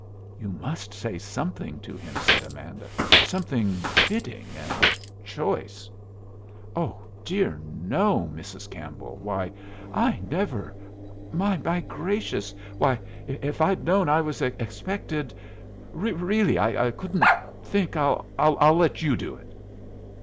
"You must say something to him," said Amanda; "something fitting and choice." "Oh dear no, Mrs. Campbell. Why, I never my gracious! Why, if I'd known I was expected Really, I couldn't think I'll let you do it!"